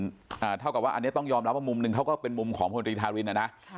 อ่าเท่ากับว่าอันนี้ต้องยอมรับว่ามุมหนึ่งเขาก็เป็นมุมของพลตรีธารินนะนะค่ะ